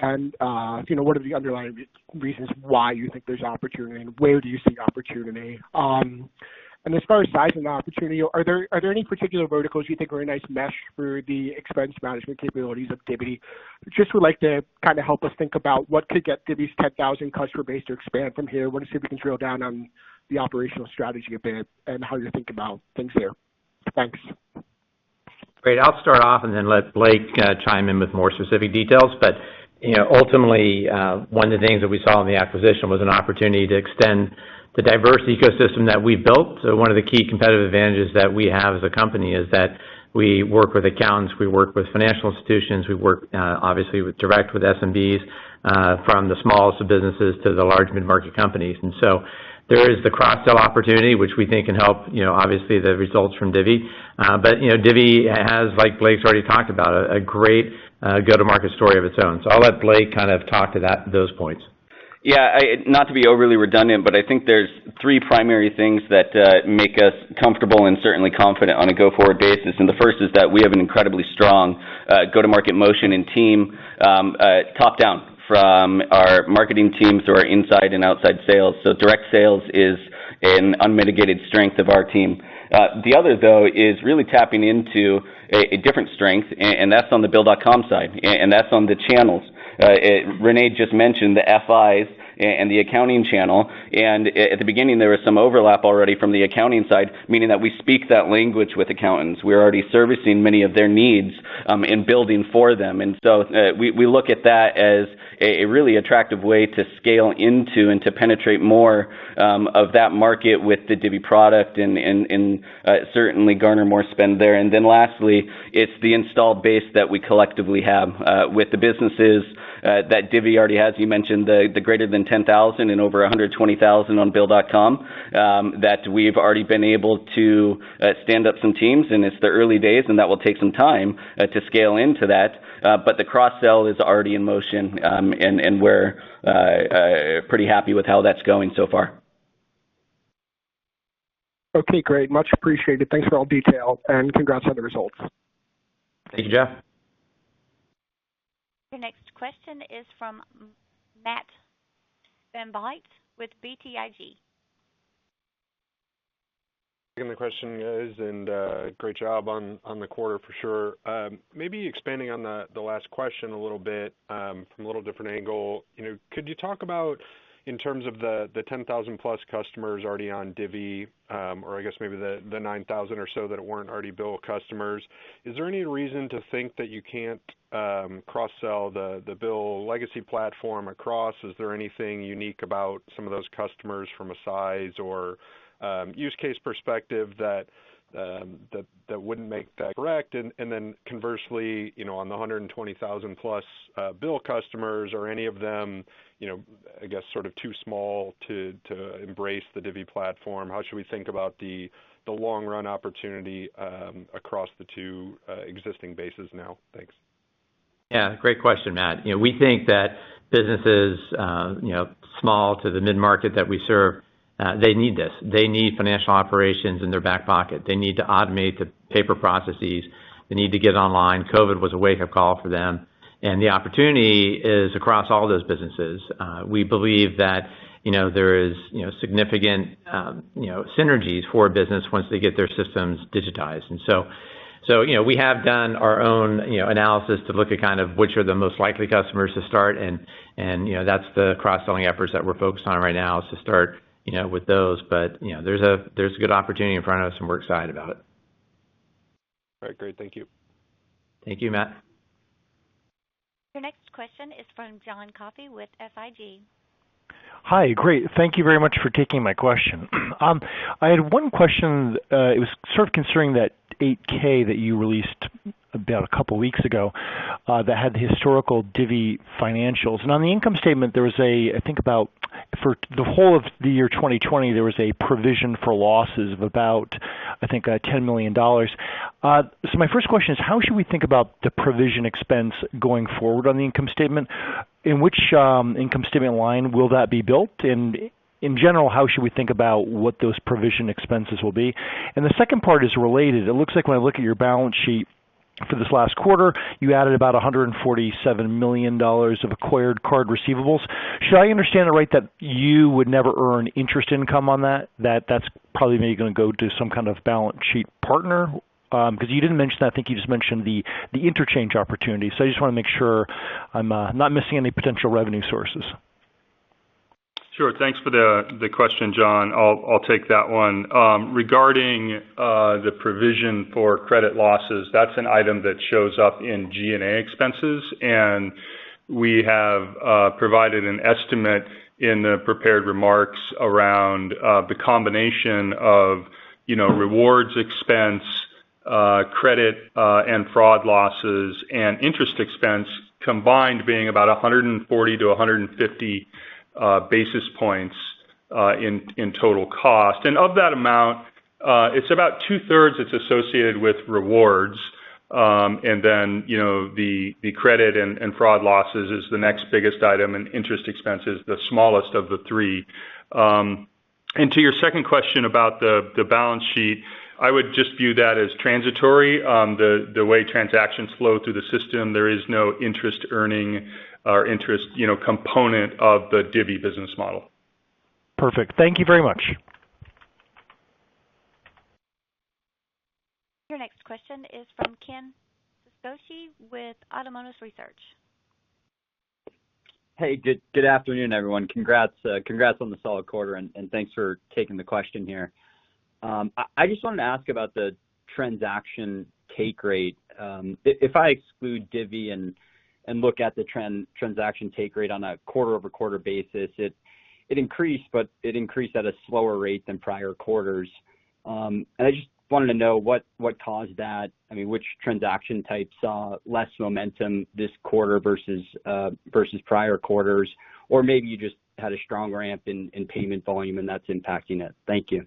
and what are the underlying reasons why you think there's opportunity, and where do you see opportunity? And as far as size of the opportunity, are there any particular verticals you think are a nice mesh for the expense management capabilities of Divvy? Just would like to help us think about what could get Divvy's 10,000 customer base to expand from here. I wanted to see if we can drill down on the operational strategy a bit, and how you think about things there. Thanks. Great. I'll start off and then let Blake chime in with more specific details. Ultimately, one of the things that we saw in the acquisition was an opportunity to extend the diverse ecosystem that we built. One of the key competitive advantages that we have as a company is that we work with accountants, we work with financial institutions, we work, obviously, with direct with SMBs, from the smallest of businesses to the large mid-market companies. There is the cross-sell opportunity, which we think can help, obviously, the results from Divvy. Divvy has, like Blake's already talked about, a great go-to-market story of its own. I'll let Blake talk to those points. Yeah. Not to be overly redundant, but I think there's three primary things that make us comfortable and certainly confident on a go-forward basis. The first is that we have an incredibly strong go-to-market motion and team, top-down, from our marketing teams to our inside and outside sales. Direct sales is an unmitigated strength of our team. The other, though, is really tapping into a different strength, and that's on the Bill.com side, and that's on the channels. René just mentioned the FIs and the accounting channel, and at the beginning, there was some overlap already from the accounting side, meaning that we speak that language with accountants. We're already servicing many of their needs, and building for them. We look at that as a really attractive way to scale into and to penetrate more of that market with the Divvy product and certainly garner more spend there. Lastly, it's the installed base that we collectively have with the businesses that Divvy already has. You mentioned the greater than 10,000 and over 120,000 on Bill.com, that we've already been able to stand up some teams, and it's the early days, and that will take some time to scale into that. The cross-sell is already in motion, and we're pretty happy with how that's going so far. Okay, great. Much appreciated. Thanks for all the details, and congrats on the results. Thank you, Jeff. Your next question is from Matthew VanVliet with BTIG. Taking the question, guys, great job on the quarter, for sure. Maybe expanding on the last question a little bit from a little different angle. Could you talk about in terms of the 10,000-plus customers already on Divvy, or I guess maybe the 9,000 or so that weren't already BILL customers, is there any reason to think that you can't cross-sell the BILL legacy platform across? Is there anything unique about some of those customers from a size or use case perspective that wouldn't make that correct? Then conversely, on the 120,000-plus BILL customers. Are any of them, I guess, too small to embrace the Divvy platform? How should we think about the long run opportunity across the two existing bases now? Thanks. Yeah. Great question, Matt. We think that businesses, small to the mid-market that we serve, they need this. They need financial operations in their back pocket. They need to automate the paper processes. They need to get online. COVID was a wake-up call for them, and the opportunity is across all those businesses. We believe that there is significant synergies for a business once they get their systems digitized. We have done our own analysis to look at which are the most likely customers to start, and that's the cross-selling efforts that we're focused on right now, is to start with those. There's a good opportunity in front of us, and we're excited about it. All right, great. Thank you. Thank you, Matt. Your next question is from John Coffey with SIG. Hi. Great. Thank you very much for taking my question. I had one question. It was concerning that Form 8-K that you released about a couple of weeks ago, that had the historical Divvy financials. On the income statement, for the whole of the year 2020, there was a provision for losses of about $10 million. My first question is, how should we think about the provision expense going forward on the income statement? In which income statement line will that be built? In general, how should we think about what those provision expenses will be? The second part is related. It looks like when I look at your balance sheet for this last quarter, you added about $147 million of acquired card receivables. Should I understand it right that you would never earn interest income on that? That's probably going to go to some kind of balance sheet partner? You didn't mention that. I think you just mentioned the interchange opportunity. I just want to make sure I'm not missing any potential revenue sources. Sure. Thanks for the question, John. I'll take that one. Regarding the provision for credit losses, that's an item that shows up in G&A expenses. We have provided an estimate in the prepared remarks around the combination of rewards expense, credit and fraud losses, and interest expense combined being about 140 to 150 basis points in total cost. Of that amount, it's about two-thirds that's associated with rewards. Then the credit and fraud losses is the next biggest item, and interest expense is the smallest of the three. To your second question about the balance sheet, I would just view that as transitory. The way transactions flow through the system, there is no interest earning or interest component of the Divvy business model. Perfect. Thank you very much. Your next question is from Ken Suchoski with Autonomous Research. Hey, good afternoon, everyone. Congrats on the solid quarter, and thanks for taking the question here. I just wanted to ask about the transaction take rate. If I exclude Divvy and look at the transaction take rate on a quarter-over-quarter basis, it increased, it increased at a slower rate than prior quarters. I just wanted to know what caused that. Which transaction type saw less momentum this quarter versus prior quarters? Maybe you just had a strong ramp in payment volume and that's impacting it. Thank you.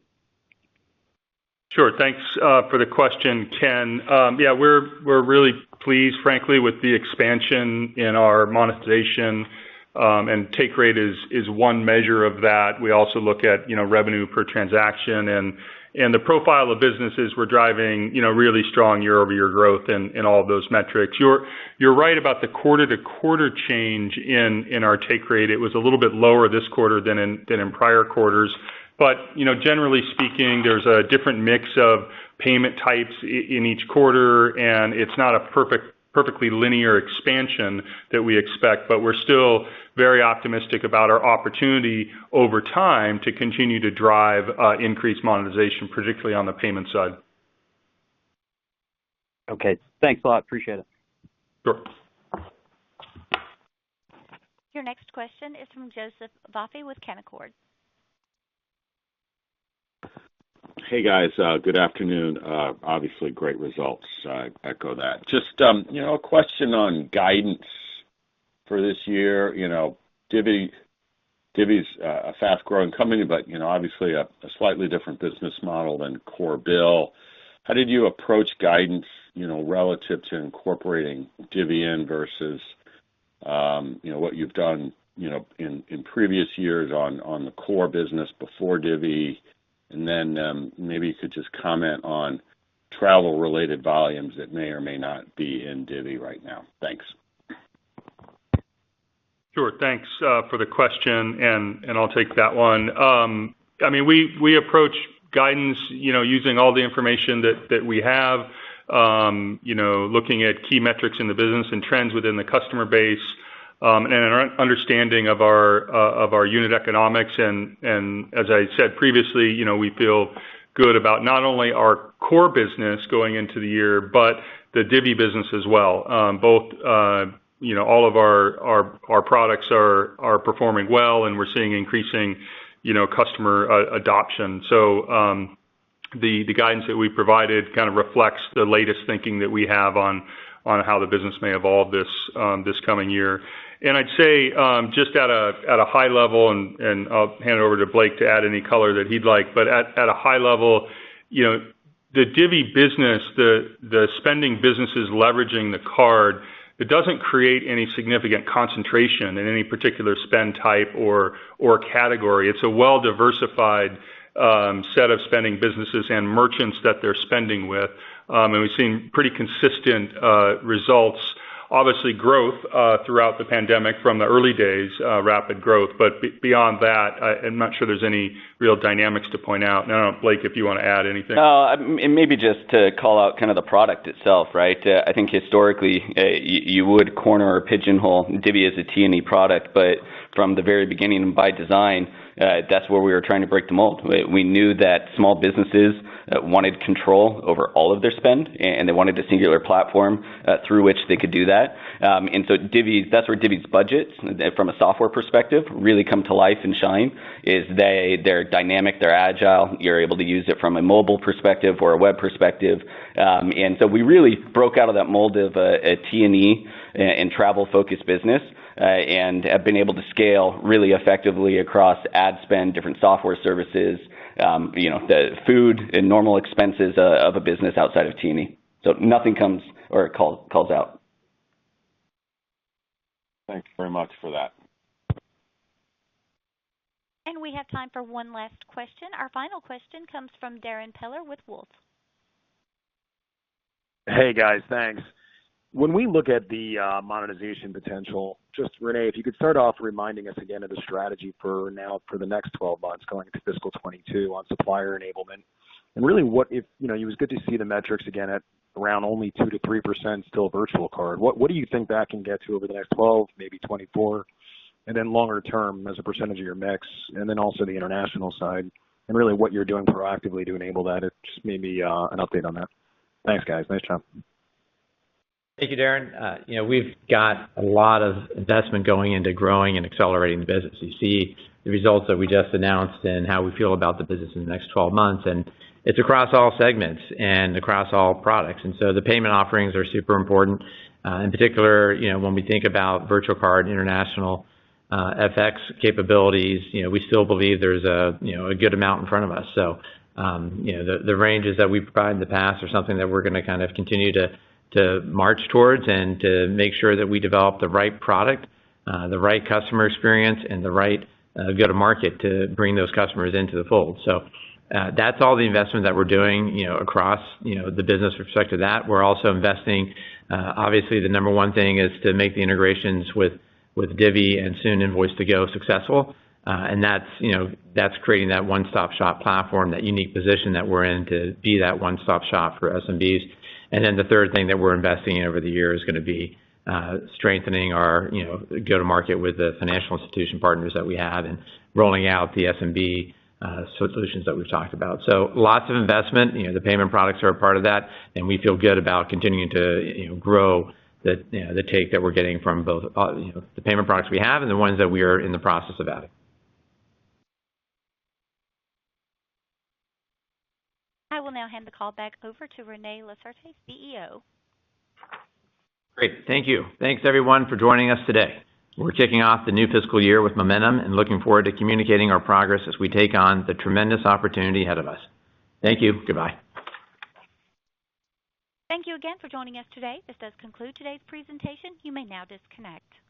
Sure. Thanks for the question, Ken. Yeah, we're really pleased, frankly, with the expansion in our monetization, and take rate is one measure of that. We also look at revenue per transaction. The profile of businesses, we're driving really strong year-over-year growth in all of those metrics. You're right about the quarter-to-quarter change in our take rate. It was a little bit lower this quarter than in prior quarters. Generally speaking, there's a different mix of payment types in each quarter, and it's not a perfectly linear expansion that we expect. We're still very optimistic about our opportunity over time to continue to drive increased monetization, particularly on the payment side. Okay. Thanks a lot. Appreciate it. Sure. Your next question is from Joseph Vafi with Canaccord. Hey, guys. Good afternoon. Obviously, great results. I echo that. Just a question on guidance for this year. Divvy's a fast-growing company, but obviously a slightly different business model than core Bill. How did you approach guidance relative to incorporating Divvy in versus what you've done in previous years on the core business before Divvy? Maybe you could just comment on travel-related volumes that may or may not be in Divvy right now. Thanks. Sure. Thanks for the question. I'll take that one. We approach guidance using all the information that we have. Looking at key metrics in the business and trends within the customer base and an understanding of our unit economics. As I said previously, we feel good about not only our core business going into the year but the Divvy business as well. All of our products are performing well, and we're seeing increasing customer adoption. The guidance that we provided kind of reflects the latest thinking that we have on how the business may evolve this coming year. I'd say just at a high level, I'll hand it over to Blake to add any color that he'd like. At a high level, the Divvy business, the spending businesses leveraging the card, it doesn't create any significant concentration in any particular spend type or category. It's a well-diversified set of spending businesses and merchants that they're spending with. We've seen pretty consistent results. Obviously growth throughout the pandemic from the early days, rapid growth. Beyond that, I'm not sure there's any real dynamics to point out. I don't know, Blake, if you want to add anything. Maybe just to call out the product itself, right. I think historically you would corner or pigeonhole Divvy as a T&E product. From the very beginning, by design, that's where we were trying to break the mold. We knew that small businesses wanted control over all of their spend, and they wanted a singular platform through which they could do that. That's where Divvy's budgets from a software perspective really come to life and shine, is they're dynamic, they're agile. You're able to use it from a mobile perspective or a web perspective. We really broke out of that mold of a T&E and travel-focused business and have been able to scale really effectively across ad spend, different software services, the food and normal expenses of a business outside of T&E. Nothing comes or calls out. Thanks very much for that. We have time for one last question. Our final question comes from Darrin Peller with Wolfe. Hey, guys. Thanks. When we look at the monetization potential, just René, if you could start off reminding us again of the strategy for now the next 12 months going into FY 2022 on supplier enablement. It was good to see the metrics again at around only 2%-3% still virtual card. What do you think that can get to over the next 12, maybe 24, and then longer term as a percentage of your mix, and then also the international side, and really what you're doing proactively to enable that? Just maybe an update on that. Thanks, guys. Nice job. Thank you, Darrin. We've got a lot of investment going into growing and accelerating the business. You see the results that we just announced and how we feel about the business in the next 12 months. It's across all segments and across all products. The payment offerings are super important. In particular, when we think about virtual card international FX capabilities, we still believe there's a good amount in front of us. The ranges that we've provided in the past are something that we're going to continue to march towards and to make sure that we develop the right product, the right customer experience, and the right go-to-market to bring those customers into the fold. That's all the investment that we're doing across the business with respect to that. We're also investing, obviously the number 1 thing is to make the integrations with Divvy and soon Invoice2go successful. That's creating that one-stop-shop platform, that unique position that we're in to be that one-stop-shop for SMBs. The third thing that we're investing in over the year is going to be strengthening our go-to-market with the financial institution partners that we have and rolling out the SMB solutions that we've talked about. Lots of investment. The payment products are a part of that, and we feel good about continuing to grow the take that we're getting from both the payment products we have and the ones that we are in the process of adding. I will now hand the call back over to René Lacerte, CEO. Great. Thank you. Thanks everyone for joining us today. We're kicking off the new fiscal year with momentum and looking forward to communicating our progress as we take on the tremendous opportunity ahead of us. Thank you. Goodbye. Thank you again for joining us today. This does conclude today's presentation. You may now disconnect.